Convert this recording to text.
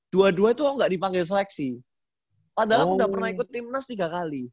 dua dua itu aku nggak dipanggil seleksi padahal aku udah pernah ikut tim nas tiga kali